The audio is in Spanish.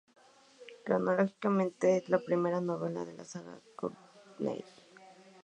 Cronológicamente, es la primera novela de "La saga Courtney".